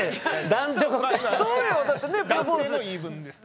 男性の言い分ですね。